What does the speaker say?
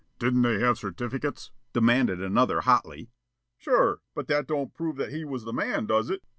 "Didn't they have certificates?" demanded another hotly. "Sure. But that don't prove that he was the man, does it?"